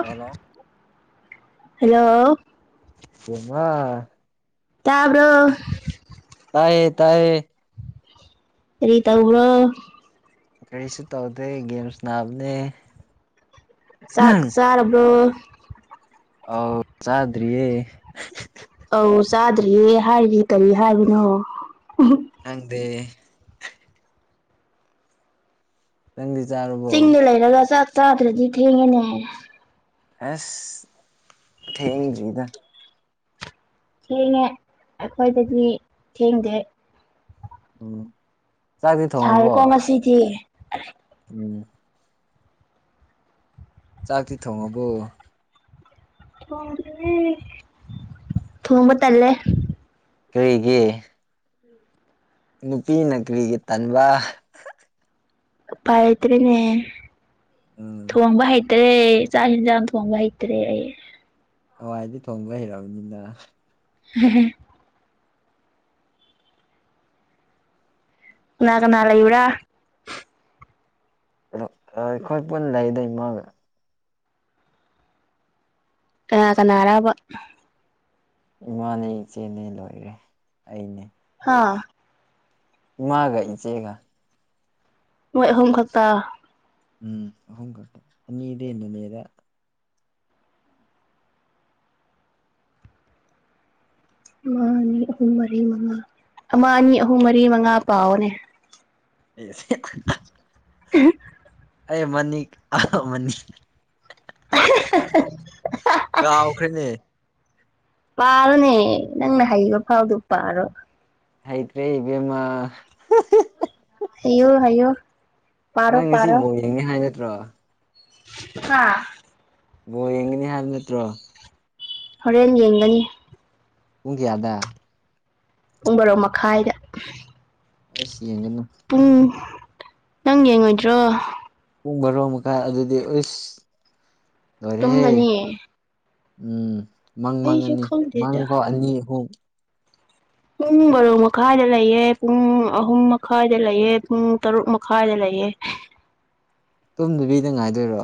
hello hello ꯕꯦꯝꯃ ꯇꯥꯕꯔꯣ ꯇꯥꯏꯌꯦ ꯇꯥꯏꯌꯦ ꯀꯔꯤ ꯇꯧꯕꯔꯣ ꯀꯔꯤꯁꯨ ꯇꯧꯗꯦ ꯒꯦꯝ ꯁꯟꯅꯕꯅꯦ ꯆꯥꯛ ꯆꯥꯔꯕ꯭ꯔꯣ ꯑꯥꯎ ꯆꯥꯗ꯭ꯔꯤꯌꯦ ꯑꯧ ꯆꯥꯗ꯭ꯔꯤꯌꯦ ꯍꯥꯏꯔꯤꯗꯤ ꯀꯔꯤ ꯍꯥꯏꯕꯅꯣ ꯈꯪꯗꯦ ꯅꯪꯗꯤ ꯆꯥꯔꯕꯣ ꯆꯤꯡꯗ ꯂꯩꯔꯒ ꯆꯥꯛ ꯆꯥꯗ꯭ꯔꯗꯤ ꯊꯦꯡꯉꯦꯅꯦ ꯑꯁ ꯊꯦꯡ ꯗꯔꯤꯗ ꯊꯦꯡꯉꯦ ꯑꯩꯈꯣꯏꯗꯗꯤ ꯊꯦꯡꯗꯦ ꯎꯝ ꯆꯥꯛꯇꯤ ꯊꯣꯡꯉꯕꯣ ꯁꯥꯔꯦꯀꯣ ꯉꯁꯤꯗꯤ ꯎꯝ ꯆꯥꯛꯇꯤ ꯊꯣꯡꯉꯕꯣ ꯊꯣꯡꯗ꯭ꯔꯤ ꯊꯣꯡꯕ ꯇꯜꯂꯦ ꯀꯔꯤꯒꯤ ꯅꯨꯄꯤꯅ ꯀꯔꯤꯒꯤ ꯇꯟꯕ ꯎꯄꯥꯏ ꯂꯩꯇ꯭ꯔꯦꯅꯦ ꯎꯝ ꯊꯣꯡꯕ ꯍꯥꯏ ꯂꯩꯇ꯭ꯔꯦ ꯆꯥꯛ ꯑꯦꯟꯁꯥꯡ ꯊꯣꯡꯕ ꯍꯪꯇ꯭ꯔꯦ ꯍꯋꯥꯏꯗꯤ ꯊꯣꯡꯕ ꯍꯩꯔꯝꯅꯤꯅ [unintelligible] ꯀꯅꯥ ꯀꯅꯥ ꯂꯩꯕ꯭ꯔ ꯍꯂꯣ ꯅꯪ ꯑꯩꯈꯣꯏ ꯄꯨꯟ ꯂꯩꯗꯩ ꯃꯒꯔ ꯀꯅꯥ ꯀꯅꯥꯔꯕ ꯏꯃꯥꯅꯦ ꯏꯆꯦꯅꯦ ꯂꯣꯏꯔꯦ ꯑꯩꯅꯦ ꯍꯥ ꯏꯃꯥꯒ ꯏꯆꯦꯒ ꯅꯣꯏ ꯑꯍꯨꯝ ꯈꯛꯇ ꯎꯝ ꯑꯍꯨꯝ ꯈꯛꯇ ꯑꯅꯤꯗꯤ ꯍꯦꯟꯅ ꯂꯩꯕ ꯑꯃ ꯑꯅꯤ ꯑꯍꯨꯝ ꯃꯔꯤ ꯃꯉꯥ ꯑꯃ ꯑꯅꯤ ꯑꯍꯨꯝ ꯃꯔꯤ ꯃꯉꯥ ꯄꯥꯎꯑꯣꯅꯦ [unintelligible] [unintelligible] ꯑꯩ ꯃꯅꯤꯛ ꯑ ꯃꯅꯤꯛ [unintelligible] ꯀꯥꯎꯈ꯭ꯔꯦꯅꯦ ꯄꯥꯔꯣꯅꯦ ꯅꯪꯅ ꯍꯩꯕ ꯐꯥꯎꯗꯣ ꯄꯥꯔꯣ ꯍꯩꯇ꯭ꯔꯦ ꯏꯕꯦꯝꯃ [unintelligible] ꯍꯩꯌꯣ ꯍꯩꯌꯣ ꯄꯥꯔꯣ ꯅꯪ ꯉꯁꯤ ꯕꯣꯜ ꯌꯦꯡꯉꯦ ꯍꯥꯏ ꯅꯠꯇ꯭ꯔꯣ ꯀꯀꯥ ꯕꯣꯜ ꯌꯦꯡꯒꯅꯤ ꯍꯥꯏꯕ ꯅꯠꯇ꯭ꯔꯣ ꯍꯣꯔꯦꯟ ꯌꯦꯡꯂꯅꯤ ꯄꯨꯡ ꯀ꯭ꯌꯥꯗ ꯄꯨꯡ ꯕꯔꯣ ꯃꯈꯥꯏꯗ ꯑꯩꯁ ꯌꯦꯡꯒꯅꯨ ꯄꯨꯡ ꯅꯪ ꯌꯦꯡꯉꯣꯏꯗ꯭ꯔꯣ ꯄꯨꯡ ꯕꯥꯔꯣ ꯃꯈꯥꯏ ꯑꯗꯨꯗꯤ ꯎꯁ ꯇꯨꯝꯃꯅꯤ ꯎꯝ ꯃꯪ ꯃꯪꯉꯅꯤ ꯃꯪ ꯈꯪꯗꯦꯗ ꯐꯧ ꯑꯅꯤ ꯑꯍꯨꯝ ꯄꯨꯡ ꯕꯔꯣ ꯃꯈꯥꯏꯗ ꯂꯩꯌꯦ ꯄꯨꯡ ꯑꯍꯨꯝ ꯃꯈꯥꯏꯗ ꯂꯩꯌꯦ ꯄꯨꯡ ꯇꯔꯨꯛ ꯃꯈꯥꯏꯗ ꯂꯩ ꯥꯌꯦ ꯇꯨꯝꯗꯨꯕꯤꯗ ꯉꯥꯏꯗꯣꯏꯔꯣ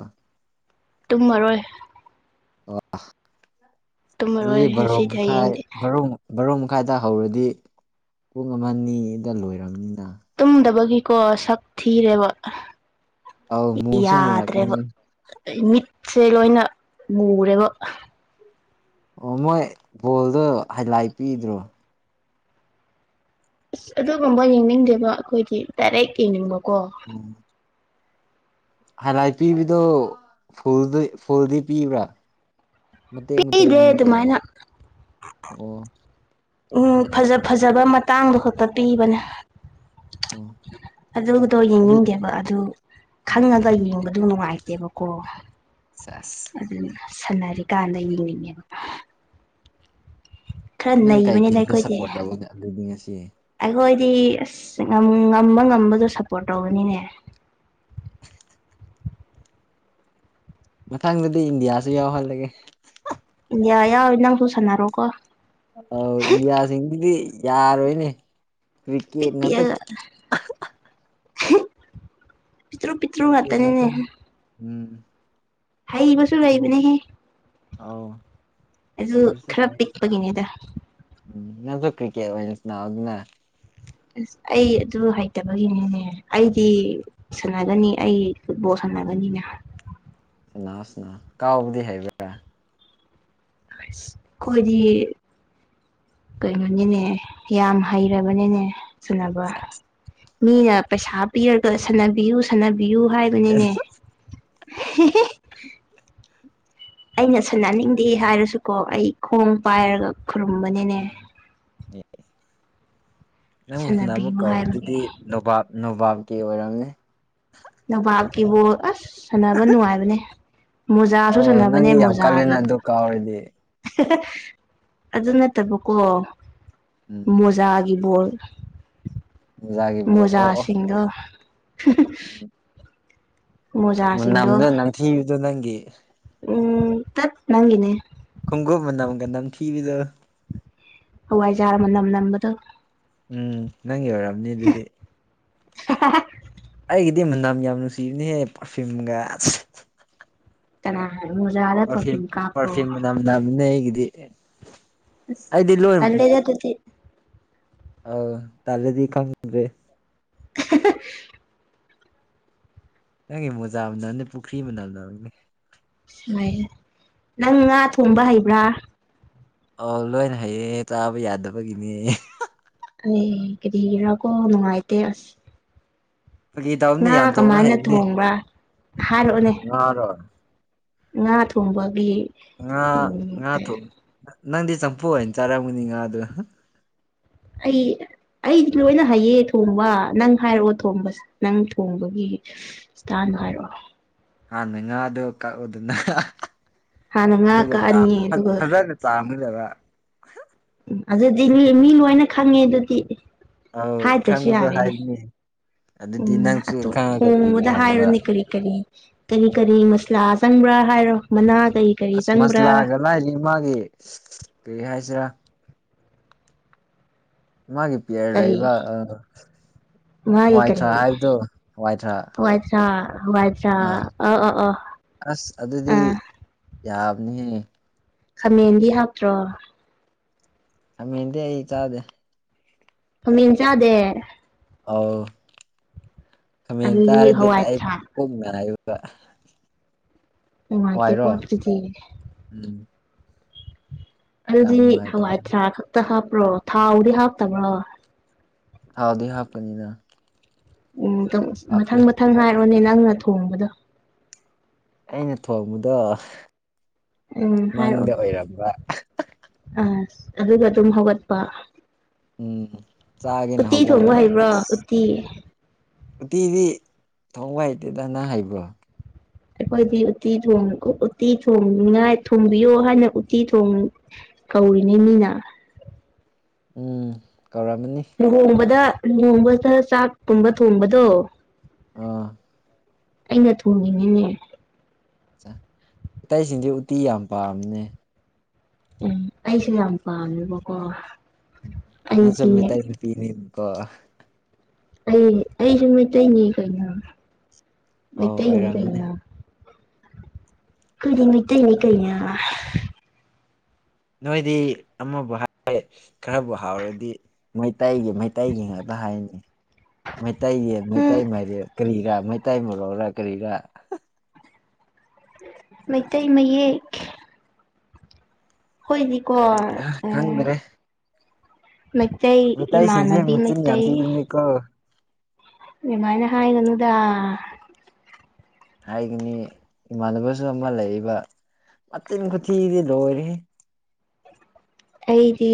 ꯇꯨꯝꯃꯔꯣꯏ ꯑꯣ ꯇꯨꯝꯃꯔꯣꯏ ꯑꯗꯨꯗꯤ ꯉꯁꯤꯗꯤ ꯕꯥꯔꯣꯃꯈꯥꯏ ꯍꯌꯦꯡꯗꯤ ꯕꯥꯔꯣ ꯕꯥꯔꯣꯡ ꯀꯥꯏꯗ ꯍꯧꯔꯗꯤ ꯄꯨꯡ ꯑꯃ ꯑꯅꯤꯗ ꯂꯣꯏꯔꯝꯅꯤꯅ ꯇꯨꯝꯗꯕꯒꯤꯀꯣ ꯁꯛ ꯊꯤꯔꯦꯕ ꯑꯧ ꯃꯨꯁꯨꯨ ꯃꯔꯛꯀꯅꯤ ꯑꯩ ꯃꯤꯠꯁꯦ ꯂꯣꯏꯅ ꯃꯨꯔꯦꯕ ꯑꯣ ꯃꯣꯏ ꯕꯣꯜꯗꯣ ꯍꯥꯏꯂꯥꯏ ꯄꯤꯗ꯭ꯔꯣ ꯑꯁ ꯑꯗꯨꯒꯨꯝꯕ ꯌꯦꯡꯅꯤꯡꯗꯦꯕ ꯑꯩꯈꯣꯏꯗꯤ ꯗꯥꯏꯔꯦꯛ ꯌꯦꯡꯅꯤꯡꯕ ꯎꯝ ꯍꯥꯏꯂꯥꯏꯠ ꯄꯤꯕꯗꯣ ꯐꯨ ꯐꯨꯜꯗꯤ ꯄꯤꯕ꯭ꯔꯥ ꯃꯇꯦꯛ ꯃꯇꯦꯛ ꯂ ꯄꯤꯗꯦ ꯅꯠꯇ꯭ꯔꯒ ꯑꯗꯨꯃꯥꯏꯅ ꯑꯣ ꯎꯝ ꯐꯖ ꯐꯖꯕ ꯃꯇꯥꯡꯗꯣ ꯈꯛꯇ ꯄꯤꯕꯅꯦ ꯑꯣ ꯑꯗꯨꯗꯣ ꯑꯗꯨ ꯌꯦꯡꯅꯤꯡꯗꯦꯕ ꯑꯗꯨ ꯑꯣ ꯑꯣ ꯈꯪꯉꯒ ꯌꯦꯡꯕ ꯑꯗꯨ ꯅꯨꯡꯉꯥꯏꯇꯦꯕꯀꯣ ꯁꯦꯁ ꯁꯟꯅꯔꯤꯀꯥꯟꯗ ꯌꯦꯡꯅꯤꯡꯉꯦ ꯅꯪ ꯀꯩ ꯇꯤꯝꯗ ꯁꯄꯣꯔꯠ ꯇꯧꯅꯦ ꯑꯗꯨꯗꯤ ꯉꯁꯤ ꯅꯣꯏꯗꯤ ꯑꯁ ꯉꯝ ꯉꯝꯕ ꯉꯝꯕꯗꯣ ꯁꯞꯄꯣꯔꯠ ꯇꯧꯕꯅꯤꯅꯦ ꯃꯊꯪꯗꯗꯤ ꯏꯟꯗꯤꯌꯥꯁꯨ ꯌꯥꯎꯍꯜꯂꯒꯦ ꯌꯥ ꯌꯥꯎ ꯅꯪꯁꯨ ꯁꯟꯅꯔꯣꯀꯣ ꯑꯧ ꯏꯟꯗꯤꯌꯥꯁꯤꯡꯗꯨꯗꯤ ꯌꯥꯔꯣꯏꯅꯦ ꯄꯤꯛ ꯀꯔꯤꯀꯦꯠ ꯉꯥꯛꯇ ꯄꯤꯛꯑꯒ ꯄꯤꯛꯇ꯭ꯔꯨ ꯄꯤꯛꯇ꯭ꯔꯨ ꯀ꯭ꯔꯤꯀꯦꯠ ꯉꯛꯇꯅꯤꯅꯦ ꯉꯥꯛꯇꯅꯤ ꯎꯝ ꯍꯥꯏꯕꯁꯨ ꯕꯣꯜ ꯂꯩꯥꯏꯕꯅꯦꯍꯦ ꯑꯧ ꯑꯩꯖꯨ ꯍꯩꯕꯁꯨ ꯈꯔ ꯂꯩ ꯄꯤꯛꯄꯒꯤꯅꯤꯗ ꯀꯔꯤꯀꯦꯛ ꯑꯣꯢꯅ ꯁꯅꯧꯗꯅ ꯏꯁ ꯑꯩ ꯑꯗꯨ ꯍꯩꯇꯕꯒꯤꯅꯤꯅꯦ ꯑꯩꯗꯤ ꯁꯥꯟꯅꯒꯅꯤ ꯑꯩ ꯐꯨꯠꯕꯣꯜ ꯁꯥꯟꯅꯒꯅꯤꯅ ꯁꯅꯥꯎ ꯁꯅꯥꯎ ꯀꯥꯎꯕꯗꯤ ꯍꯩꯕ꯭ꯔꯥ ꯑ꯭ꯩꯁ ꯈꯣꯢꯗꯤ ꯀꯩꯅꯣꯅꯤꯅꯦ ꯌꯥꯝ ꯍꯩꯔꯕꯅꯤꯅꯦ ꯁꯅꯕ ꯁꯦꯁ ꯃꯤꯅ ꯄꯩꯁꯥ ꯄꯤꯔꯒ ꯁꯥꯟꯅꯕꯤꯌꯨ ꯁꯥꯟꯅꯕꯤ ꯌꯨ ꯍꯥꯏꯕꯅꯤꯅꯦ ꯑꯩꯅ ꯁꯟꯅꯅꯤꯡꯗꯦ ꯍꯥꯏꯔꯁꯨꯀꯣ ꯑꯩ ꯈꯣꯡ ꯄꯥꯏꯔꯒ ꯈꯨꯔꯨꯝꯕꯅꯤꯅꯦ ꯅꯪ ꯃꯨꯁꯅ ꯑꯃꯨꯛ ꯁꯥꯟꯅꯕꯤꯌꯨ ꯀꯧ ꯍꯥꯏꯕꯒꯤ ꯑꯗꯨꯗꯤ ꯅꯣꯕꯥꯞ ꯅꯣꯕꯥꯞꯀꯤ ꯑꯣꯏꯔꯝꯅꯤ ꯅꯣꯕꯥꯞꯀꯤ ꯕꯣꯜ ꯑꯁ ꯁꯟꯅꯥꯕ ꯅꯨꯡꯉꯥꯏꯕꯅꯦ ꯃꯣꯖꯥꯁꯨ ꯑꯧ ꯁꯥꯟꯅꯕꯅꯦ ꯅꯪꯗꯤ ꯌꯥꯝ ꯃꯣꯖꯥꯒꯤ ꯀꯜꯂꯦꯅ ꯑꯗꯨ ꯀꯥꯎꯔꯗꯤ ꯑꯗꯨ ꯅꯠꯇꯕꯀꯣ ꯃꯣꯖꯥꯒꯤ ꯕꯣꯜ ꯃꯨꯖꯥꯒꯤꯕꯨ ꯑꯣ ꯑꯣ ꯃꯣꯖꯥꯁꯤꯡꯗꯣ ꯃꯣꯖꯥꯁꯤꯡꯗꯣ ꯃꯅꯝꯗꯣ ꯅꯝꯊꯤꯕꯗꯣ ꯅꯪꯒꯤ ꯎꯝ ꯇꯠ ꯅꯪꯒꯤꯅꯦ ꯈꯨꯡꯒꯨꯞ ꯃꯅꯝꯒ ꯅꯝꯊꯤꯕꯗꯣ ꯍꯋꯥꯏꯖꯥꯔ ꯃꯅꯝ ꯅꯝꯕꯗꯣ ꯎꯝ ꯅꯪꯒꯤ ꯑꯣꯏꯔꯝꯅꯤ ꯑꯗꯨꯗꯤ [unintelligible] ꯑꯩꯒꯤꯗꯤ ꯃꯅꯥꯝ ꯌꯥꯝ ꯅꯨꯡꯁꯤꯕꯅꯤꯍꯦ ꯄꯥꯔꯐꯤꯌꯨꯝꯒ ꯀꯅꯥ ꯃꯣꯖꯥꯗ ꯄꯔꯐ꯭ꯌꯨꯝ ꯀꯥꯞꯄ꯭ꯔꯣ ꯄꯔꯐ꯭ꯌꯨꯝ ꯃꯅꯝ ꯅꯝꯕꯅ ꯑꯩꯒꯤꯗꯤ ꯑꯁ ꯑꯩꯗꯤ ꯇꯜꯂꯦꯗ ꯑꯗꯨꯗꯤ ꯑꯥꯎ ꯇꯜꯂꯗꯤ ꯈꯪꯗ꯭ꯔꯦ [unintelligible] ꯅꯪꯒꯤ ꯃꯣꯖꯥ ꯃꯅꯝꯗꯣ ꯄꯨꯈ꯭ꯔꯤ ꯃꯅꯝ ꯅꯃꯝꯅꯤ ꯁꯥꯢꯍꯦ ꯅꯪ ꯉꯥ ꯊꯣꯡꯕ ꯍꯩꯕ꯭ꯔꯥ ꯑꯣ ꯂꯣꯏꯅ ꯍꯩꯌꯦꯦ ꯆꯥꯕ ꯌꯥꯗꯕꯒꯤꯅꯦ ꯑꯦ ꯀꯔꯤꯒꯤꯔꯥꯀꯣ ꯅꯨꯡꯉꯥꯏꯇꯦ ꯑꯁ ꯐꯥꯒꯤ ꯇꯧꯕꯅꯦ ꯉꯥ ꯌꯥꯝ ꯀꯃꯥꯏꯅ ꯊꯣꯡꯕꯔꯥ ꯉꯥ ꯔꯣ ꯉꯥ ꯊꯣꯡꯕꯒꯤ ꯉꯥ ꯎꯝ ꯉꯥ ꯊꯣꯛ ꯅꯪꯗꯤ ꯆꯝꯐꯨ ꯍꯥꯏꯅ ꯆꯥꯔꯝꯒꯅꯤ ꯉꯥꯗꯨ ꯑꯩ ꯑꯩꯗꯤ ꯂꯣꯏꯅ ꯍꯩꯌꯦ ꯊꯣꯡꯕ ꯅꯪ ꯍꯥꯏꯔꯛꯑꯣ ꯊꯣꯡꯕꯁꯦ ꯅꯪ ꯊꯣꯡꯕꯒꯤ ꯏꯁꯇꯥꯏꯟ ꯅꯪ ꯍꯥꯢꯔꯛꯑꯣ ꯍꯥꯟꯅ ꯉꯥꯗꯣ ꯀꯛꯑꯣꯗꯅ ꯍꯥꯟꯅ ꯉꯥ ꯑꯗꯨꯒ ꯇꯥꯟ ꯀꯛꯑꯅꯤ ꯐ ꯑꯗꯨꯒ ꯐꯖꯅ ꯆꯥꯝꯒꯗꯕ ꯑꯗꯨꯗꯤ ꯃꯤ ꯂꯣꯏꯅ ꯈꯪꯉꯦ ꯑꯗꯨꯗꯤ ꯑꯧ ꯍꯥꯏꯗ꯭ꯔꯁꯨ ꯈꯪꯕꯗꯣ ꯌꯥꯔꯦꯅꯦ ꯍꯥꯏꯕꯅꯤ ꯑꯗꯨꯗꯤ ꯎꯝ ꯅꯪꯁꯨ ꯑꯇꯣꯞ ꯈꯪꯉꯒ ꯀꯔꯤꯒꯤ ꯊꯣꯡꯕꯗ ꯍꯪꯕ ꯍꯥꯏꯔꯨꯅꯦ ꯀꯔꯤ ꯀꯔꯤ ꯀꯔꯤ ꯀꯔꯤ ꯃꯁꯂꯥ ꯆꯪꯕ꯭ꯔꯥ ꯍꯥꯏꯔꯣ ꯃꯅꯥ ꯀꯔꯤ ꯀꯔꯤ ꯑꯁ ꯆꯪꯕ꯭ꯔꯥ ꯃꯁꯂꯥꯒ ꯂꯥꯢꯔꯤ ꯃꯥꯒꯤ ꯀꯔꯤ ꯍꯥꯏꯁꯤꯔꯥ ꯃꯥꯒꯤ ꯄꯤꯌꯥꯔ ꯂꯩꯕ ꯀꯔꯤ ꯑꯥ ꯃꯥꯒꯤ ꯀꯔꯤ ꯍꯥꯋꯥꯢꯊ꯭ꯔꯥꯛ ꯍꯥꯏꯕꯗꯣ ꯍꯥꯋꯥꯏꯊ꯭ꯔꯥꯛ ꯍꯋꯥꯏꯊꯔꯥꯛ ꯑꯥ ꯍꯋꯥꯏꯊꯔꯥꯛ ꯑ ꯑ ꯑ ꯑꯁ ꯑꯗꯨꯗꯤ ꯑꯥ ꯌꯥꯕꯅꯤꯍꯦ ꯈꯥꯃꯦꯟꯗꯤ ꯍꯥꯞꯇ꯭ꯔꯣ ꯈꯥꯃꯦꯟꯗꯤ ꯑꯩ ꯆꯥꯗꯦ ꯈꯃꯦꯟ ꯆꯥꯗꯦ ꯑꯥꯎ ꯈꯃꯦꯟ ꯑꯗꯨꯗꯤ ꯆꯥꯔꯗꯤ ꯑꯩ ꯍꯋꯥꯏꯊꯔꯥꯛ ꯄꯨꯛ ꯅꯌꯦ ꯕ ꯅꯨꯉꯥꯢꯇꯦ ꯀꯣ ꯑꯗꯨꯗꯤ ꯎꯝ ꯌꯥꯝ ꯑꯗꯨꯗꯤ ꯅꯨꯡꯉꯥꯏꯇꯕꯅꯤ ꯍꯋꯥꯏꯊ꯭ꯔꯥꯛ ꯈꯛꯇ ꯍꯥꯞꯄ꯭ꯔꯣ ꯊꯥꯎꯗꯤ ꯍꯥꯞꯇꯕ꯭ꯔꯣ ꯊꯥꯎꯗꯤ ꯍꯥꯞꯀꯅꯤꯅ ꯎꯝ ꯍꯥꯞꯇꯦ ꯃꯊꯪ ꯃꯊꯪ ꯍꯥꯏꯔꯣꯅꯦ ꯅꯪꯅ ꯊꯣꯡꯕꯗꯣ ꯑꯩꯅ ꯊꯣꯡꯕꯗꯣ ꯎꯝ ꯃꯪꯗ ꯍꯥꯏꯔꯛꯑꯣ ꯑꯣꯏꯔꯝꯕ ꯑꯁ ꯑꯗꯨꯒ ꯗꯨꯝ ꯍꯧꯒꯠꯄ ꯎꯝ ꯆꯥꯒꯦꯅꯦ ꯎꯇꯤ ꯊꯣꯡꯕ ꯍꯧꯒꯠꯂꯒ ꯍꯩꯕ꯭ꯔꯣ ꯑꯁ ꯎꯇꯤ ꯎꯇꯤꯗꯤ ꯊꯣꯡꯕ ꯍꯩꯇꯦꯗ ꯅꯪ ꯍꯩꯕ꯭ꯔꯣ ꯑꯩꯈꯣꯏꯗꯤ ꯎꯇꯤ ꯊꯣꯡ ꯎꯇꯤ ꯊꯣꯡꯅꯤꯉꯥꯏ ꯊꯣꯡꯕꯤꯌꯣ ꯍꯥꯏꯅ ꯎꯇꯤ ꯊꯣꯡ ꯀꯧꯔꯤꯅꯦ ꯃꯤꯅ ꯎꯝ ꯀꯧꯔꯝꯃꯅꯤ ꯂꯨꯍꯣꯡꯕꯗ ꯂꯨꯍꯣꯡꯕꯗ ꯆꯥꯛꯀꯨꯝꯕ ꯊꯣꯡꯕꯗꯣ ꯑꯥ ꯑꯩꯅ ꯊꯣꯡꯉꯤꯅꯤꯅꯦ ꯆꯥ ꯃꯤꯇꯩꯁꯤꯡꯗꯤ ꯎꯇꯤ ꯌꯥꯝ ꯄꯥꯝꯕꯅꯦ ꯎꯝ ꯑꯩꯁꯨ ꯌꯥꯝ ꯄꯥꯝꯃꯦꯕꯀꯣ ꯅꯪ ꯁꯨ ꯑꯩꯗꯤ ꯃꯤꯇꯩ ꯅꯨꯄꯤ ꯅꯤꯒꯣ ꯑꯩ ꯑꯩꯁꯨ ꯃꯤꯇꯩꯅꯤ ꯀꯩꯅꯣ ꯑꯧ ꯃꯩꯇꯩꯅꯤ ꯑꯣꯏꯔꯝꯃꯅꯤ ꯀꯩꯅꯣ ꯈꯣꯏꯗꯤ ꯃꯤꯇꯩꯅꯤ ꯀꯩꯅꯣ ꯅꯣꯏꯗꯤ ꯑꯃꯕꯨ ꯍꯥꯏꯌꯦ ꯈꯔꯕꯨ ꯍꯥꯎꯔꯗꯤ ꯃꯩꯇꯩꯒꯤ ꯃꯩꯇꯩꯒꯤ ꯉꯥꯛꯇ ꯍꯥꯏꯅꯦ ꯃꯩꯇꯩꯒꯤ ꯎꯝ ꯃꯩꯇꯩ ꯃꯥꯢꯔꯦꯟ ꯀ꯭ꯔꯤꯔꯥ ꯃꯩꯇꯩ ꯃꯣꯔꯣꯛꯂ ꯀ꯭ꯔꯤꯔꯥ ꯃꯩꯇꯩ ꯃꯌꯦꯛ ꯍꯣꯏꯗꯤꯀꯣ ꯑꯩ ꯎꯝ ꯈꯪꯗ꯭ꯔꯦ ꯃꯩꯇꯩ ꯃꯩꯇꯩꯁꯤꯡꯁꯦ ꯏꯃꯥꯟꯅꯕꯤ ꯃꯆꯤꯟ ꯌꯥꯝ ꯃꯩꯇꯩ ꯊꯤꯕꯅꯤꯀꯣ ꯑꯗꯨꯃꯥꯏꯅ ꯍꯥꯏꯒꯅꯨꯗ ꯍꯥꯏꯒꯅꯤ ꯏꯃꯥꯟꯅꯕꯁꯨ ꯑꯃ ꯂꯩꯕ ꯃꯆꯤꯟ ꯈꯨꯊꯤꯗꯤ ꯂꯣꯢꯔꯦꯍꯦ [unintelligible] ꯑꯩꯗꯤ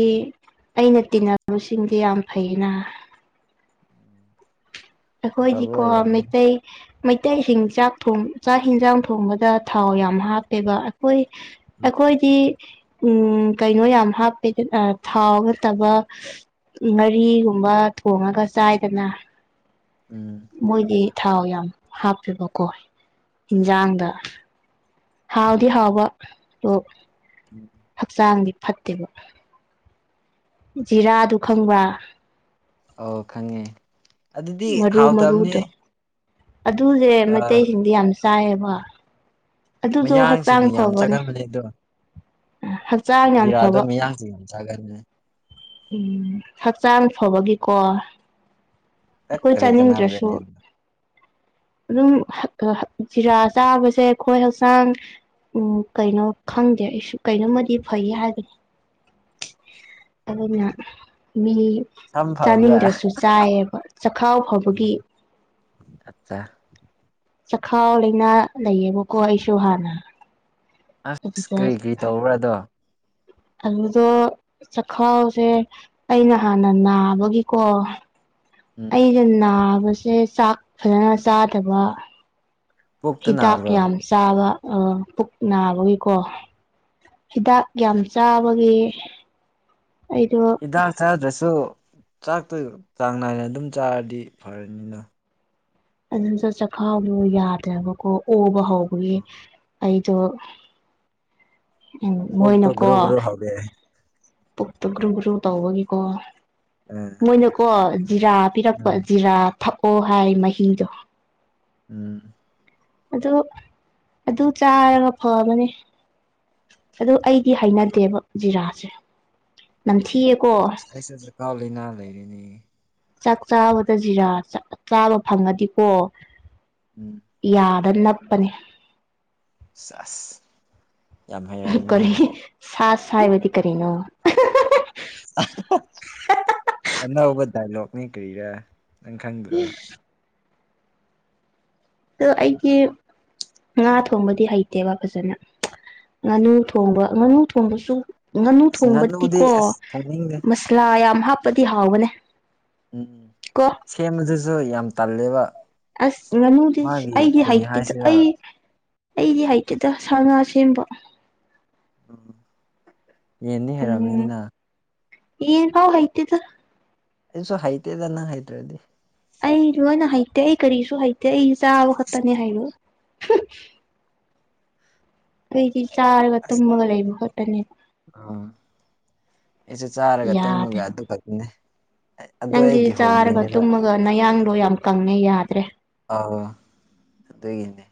ꯑꯩꯅ ꯇꯤꯟꯅꯕꯁꯤꯡꯗꯤ ꯌꯥꯝ ꯐꯩꯩꯅ ꯑꯐꯕ ꯑꯩꯈꯣꯏꯗꯤꯀꯣ ꯑꯣꯏꯔꯝꯅꯤ ꯃꯩꯇꯩ ꯃꯩꯇꯩꯁꯤꯡ ꯆꯥꯛ ꯊꯣꯡ ꯆꯥꯛ ꯍꯤꯟꯖꯥꯡ ꯊꯣꯡꯕꯗ ꯊꯥꯎ ꯌꯥꯝ ꯍꯥꯞꯄꯦꯕ ꯑꯩꯈꯣꯏ ꯑꯥꯈꯣꯏꯗꯤ ꯎꯝ ꯀꯩꯅꯣ ꯌꯥꯝ ꯍꯥꯞꯄꯦ ꯊꯥꯎ ꯅꯠꯇꯕ ꯉꯥꯔꯤꯒꯨꯝꯕ ꯊꯣꯡꯉꯒ ꯆꯥꯏꯗꯅ ꯎꯝ ꯃꯣꯏꯒꯤ ꯊꯥꯎ ꯌꯥꯝ ꯍꯥꯞꯄꯦꯕꯀꯣ ꯏꯟꯖꯥꯡꯗ ꯍꯥꯎꯗꯤ ꯍꯥꯎꯕ ꯑꯣ ꯑꯥꯡꯗꯤ ꯐꯠꯇꯦꯕ ꯖꯤꯔꯥꯗꯨ ꯈꯪꯕ꯭ꯔꯥ ꯑꯧ ꯈꯪꯉꯦ ꯑꯗꯨꯗꯤ ꯍꯥꯎꯇꯝꯅꯦ ꯑꯗꯨꯖꯦ ꯃꯩꯇꯩꯁꯤꯡꯗꯤ ꯌꯥꯝ ꯆꯥꯏꯌꯦꯕ ꯑꯗꯨꯗꯣ ꯍꯛꯆꯥꯡ ꯃꯌꯥꯡꯁꯤꯡꯅ ꯌꯥꯝ ꯐꯕꯅꯦ ꯆꯥꯒꯟꯕꯅꯦ ꯑꯗꯣ ꯍꯛꯆꯥꯡ ꯌꯥꯝ ꯖꯤꯔꯥꯗꯣ ꯐꯕ ꯃꯤꯌꯥꯡꯁꯤꯡꯗꯤ ꯆꯥꯒꯟꯕꯅꯤ ꯎꯝ ꯍꯛꯆꯥꯡ ꯐꯕꯒꯤꯀꯣ ꯇꯠ ꯑꯩꯈꯣꯏ ꯀꯔꯤ ꯆꯥꯅꯤꯡꯗ꯭ꯔꯁꯨ ꯀꯅꯕ꯭ꯔꯅꯦ ꯗꯨꯕꯨ ꯑꯗꯨꯝ ꯖꯤꯔꯥ ꯆꯥꯕꯁꯦ ꯑꯩꯈꯣꯏ ꯍꯛꯆꯥꯡ ꯎꯝ ꯀꯩꯅꯣ ꯈꯪꯗꯦ ꯑꯩꯁꯨ ꯀꯩꯅꯣꯝꯃꯗꯤ ꯐꯩ ꯍꯥꯏꯕꯅꯤ ꯑꯗꯨꯅ ꯃꯤ ꯁꯝ ꯐꯕ꯭ꯔꯥ ꯆꯥꯅꯤꯡꯗ꯭ꯔꯁꯨ ꯆꯥꯏꯌꯦꯕ ꯆꯈꯥꯎ ꯐꯕꯒꯤ ꯑꯆꯥ ꯆꯈꯥꯎ ꯂꯩꯅꯥ ꯂꯩꯌꯦꯕꯀꯣ ꯑꯩꯁꯨ ꯍꯥꯟꯅ ꯑꯁ ꯑꯗꯨꯗ ꯀ꯭ꯔꯤ ꯀ꯭ꯔꯤ ꯇꯧꯕ꯭ꯔꯥ ꯑꯗꯣ ꯑꯗꯨꯗꯣ ꯆꯈꯥꯎꯁꯦ ꯑꯩꯅ ꯍꯥꯟꯅ ꯅꯥꯕꯒꯤꯀꯣ ꯎꯝ ꯑꯩꯩꯁꯦ ꯅꯥꯕꯁꯦ ꯆꯥꯛ ꯐꯖꯅ ꯆꯥꯗꯕ ꯄꯨꯛꯇ ꯍꯤꯗꯥꯛ ꯅꯥꯕ꯭ꯔꯣ ꯌꯥꯝ ꯆꯥꯕ ꯑ ꯄꯨꯛ ꯅꯥꯕꯒꯤꯀꯣ ꯍꯤꯗꯥꯛ ꯌꯥꯝ ꯆꯥꯕꯒꯤ ꯑꯩꯗꯣ ꯍꯤꯗꯥꯛ ꯆꯗ꯭ꯔꯁꯨ ꯆꯥꯛꯇꯨ ꯆꯥꯡ ꯅꯥꯏꯅ ꯑꯗꯨꯝ ꯆꯥꯔꯗꯤ ꯐꯔꯅꯤꯅ ꯑꯗꯨꯝ ꯆꯈꯥꯎꯗꯣ ꯌꯥꯗ꯭ꯔꯕꯀꯣ ꯑꯣꯕ ꯍꯧꯕꯒꯤ ꯑꯩꯗꯣ ꯎꯝ ꯀꯣꯛꯇꯣ ꯃꯣꯏꯅꯀꯣ ꯒ꯭ꯔꯨ ꯒ꯭ꯔꯨ ꯍꯧꯒꯠꯂꯦ ꯄꯨꯛꯇꯣ ꯒ꯭ꯔꯨ ꯒ꯭ꯔꯨ ꯇꯧꯕꯒꯤꯀꯣ ꯃꯣꯏꯅꯀꯣ ꯖꯤꯔꯥ ꯄꯤꯔꯛꯄ ꯎꯝ ꯖꯤꯔꯥ ꯊꯛꯑꯣ ꯍꯥꯏ ꯃꯍꯤꯗꯣ ꯎꯝ ꯑꯗꯨ ꯑꯗꯨ ꯆꯥꯔꯒ ꯐꯕꯅꯦ ꯑꯗ ꯑꯩꯗꯤ ꯍꯥꯏꯅꯗꯦꯕ ꯖꯤꯔꯥꯁꯦ ꯅꯝꯊꯤꯌꯦ ꯑꯩꯁꯦ ꯆꯀꯥꯎ ꯂꯩꯅꯥ ꯂꯩꯔꯤꯅꯤ ꯆꯥꯛ ꯆꯥꯕꯗ ꯖꯤꯔꯥ ꯆꯥꯕ ꯐꯪꯉꯗꯤꯀꯣ ꯎꯝ ꯌꯥ ꯗ ꯅꯞꯄꯅꯦ ꯁꯁ ꯌꯥꯝ ꯑ ꯍꯩꯔꯝꯃꯤꯅ ꯀꯔꯤ ꯁꯥꯁ ꯍꯥꯢꯕꯗꯤ ꯀꯔꯤꯅꯣ ꯑꯅꯧꯕ ꯗꯏꯂꯣꯒ ꯅꯤ ꯀꯔꯤꯔꯥ ꯅꯪ ꯈꯪꯗ꯭ꯔꯣ ꯇꯣ ꯑꯩꯗꯤ ꯉꯥ ꯊꯣꯡꯕꯗꯤ ꯍꯩꯇꯦꯕ ꯐꯖꯅ ꯉꯥꯅꯨ ꯊꯣꯡꯕ ꯉꯥꯅꯨ ꯊꯣꯡꯕꯁꯨ ꯉꯥꯅꯨ ꯑꯁ ꯉꯥꯅꯨꯗꯤ ꯊꯣꯡꯕꯗꯤꯀꯣ ꯑꯁ ꯊꯣꯡꯅꯤꯡꯗꯦ ꯃꯁꯂꯥ ꯌꯥꯝ ꯍꯥꯞꯄꯗꯤ ꯍꯥꯎꯕꯅꯦ ꯎꯝ ꯀꯣ ꯁꯦꯝꯕꯗꯨꯁꯨ ꯌꯥꯝ ꯇꯜꯂꯦꯕ ꯑꯁ ꯉꯥꯅꯨꯗꯤ ꯃꯥꯒꯤ ꯑꯩꯗꯤ ꯀꯔꯤ ꯍꯩꯇꯦꯗ ꯍꯥꯏꯁꯤꯔꯥ ꯑꯩ ꯑꯩꯗꯤ ꯍꯩꯇꯦꯗ ꯁꯥ ꯉꯥ ꯁꯦ ꯁꯦꯝꯕ ꯎꯝ ꯌꯦꯟꯅꯤ ꯍꯩꯔꯔꯕꯅꯤꯅ ꯌꯦꯟꯐꯥꯎꯍꯩꯇꯦꯗ ꯑꯩꯁꯨ ꯍꯩꯇꯦꯗ ꯅꯪ ꯍꯥꯏꯇ꯭ꯔꯗꯤ ꯑꯩ ꯂꯣꯏꯅ ꯍꯩꯇꯦ ꯑꯩ ꯀꯔꯤꯁꯨ ꯍꯩꯇꯦ ꯑꯩ ꯆꯥꯕ ꯈꯛꯇꯅꯦ ꯍꯩꯕ ꯍ ꯑꯩꯗꯤ ꯆꯥꯔꯒ ꯇꯨꯝꯃꯒ ꯂꯩꯕ ꯈꯛꯇꯅꯤꯗ ꯎꯝ ꯑꯩ ꯆꯥꯛ ꯆꯥꯔꯒ ꯌꯥꯗꯦ ꯇꯨꯝꯃꯒ ꯑꯗꯨ ꯈꯛꯇꯅꯦ ꯑꯗꯨ ꯅꯪꯗꯤ ꯑꯩꯒꯤ ꯆꯥꯔꯒ ꯍꯣꯕꯤꯅꯦꯕ ꯇꯨꯝꯃꯒ ꯅꯌꯥꯡꯗꯣ ꯌꯥꯝ ꯀꯪꯉꯦ ꯌꯥꯗ꯭ꯔꯦ ꯑꯥ ꯑꯗꯨꯒꯤꯅꯦ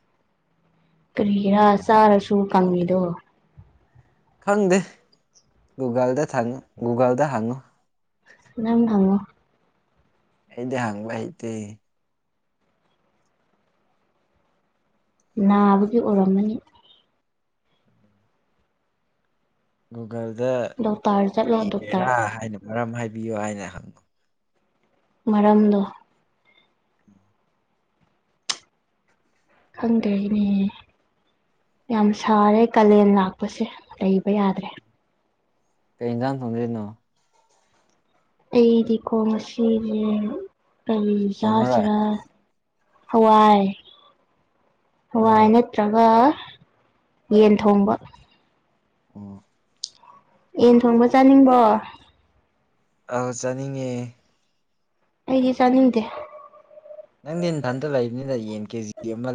ꯀꯔꯤꯒꯤꯔꯥ ꯌꯥꯗ꯭ꯔꯦ ꯆꯥꯔꯁꯨ ꯀꯪꯉꯤꯗꯣ ꯈꯪꯗꯦ ꯒꯨꯒꯜꯗ ꯊꯪ ꯒꯨꯒꯜꯗ ꯍꯪꯉꯨ ꯅꯪ ꯍꯪꯉꯣ ꯑꯩꯗꯤ ꯍꯪꯕ ꯍꯩꯇꯦ ꯅꯥꯕꯒꯤ ꯑꯣꯏꯔꯝꯃꯅꯤ ꯒꯨꯒꯜꯗ ꯗꯣꯛꯇꯔ ꯆꯠꯂꯣ ꯀ꯭ꯔꯤꯒꯤꯔꯥ ꯗꯣꯛꯇꯔ ꯍꯥꯏꯅ ꯃꯔꯝ ꯍꯥꯏꯕꯤꯌꯣ ꯍꯥꯏꯅ ꯍꯪꯉꯨ ꯃꯔꯝꯗꯣ ꯈꯪꯗ꯭ꯔꯦꯅꯦ ꯌꯥꯝ ꯁꯥꯔꯦ ꯀꯥꯂꯦꯟ ꯂꯥꯛꯄꯁꯦ ꯂꯩꯕ ꯌꯥꯗ꯭ꯔꯦ ꯀꯩ ꯌꯦꯟꯖꯥꯡ ꯊꯣꯡꯗꯣꯢꯅꯣ ꯑꯩꯗꯤꯀꯣ ꯉꯁꯤꯖꯦ ꯀꯔꯤ ꯊꯣꯡꯉꯔꯣꯏ ꯆꯥꯁꯤꯔꯥ ꯍꯋꯥꯏ ꯍꯋꯥꯏ ꯎꯝ ꯅꯠꯇ꯭ꯔꯒ ꯌꯦꯟ ꯊꯣꯡꯕ ꯑꯣ ꯌꯦꯟ ꯊꯣꯡꯕ ꯆꯥꯅꯤꯡꯕꯣ ꯑꯥ ꯆꯥꯅꯤꯡꯉꯦ ꯑꯩꯗꯤ ꯆꯥꯅꯤꯡꯗꯦ ꯅꯪꯗꯤ ꯅꯊꯟꯇ ꯂꯩꯕꯅꯤꯅ ꯌꯦꯟ ꯀꯦꯖꯤ ꯑꯃ